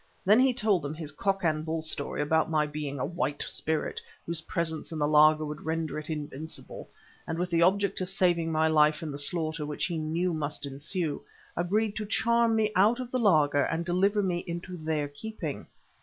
Then he told them his cock and bull story about my being a white spirit, whose presence in the laager would render it invincible, and with the object of saving my life in the slaughter which he knew must ensue, agreed to charm me out of the laager and deliver me into their keeping.